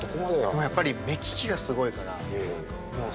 でもやっぱり目利きがすごいから。